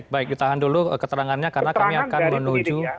baik ditahan dulu keterangannya karena kami akan menuju